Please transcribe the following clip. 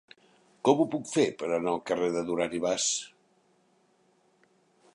Com ho puc fer per anar al carrer de Duran i Bas?